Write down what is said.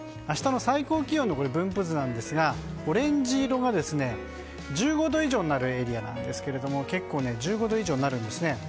明日の最高気温の分布図なんですがオレンジ色が１５度以上になるエリアなんですけれども結構、１５度以上になるんですね。